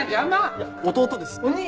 いや弟ですって。